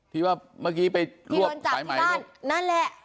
พี่ว่าเมื่อกี้ไปร่วมอันนั้นแหละ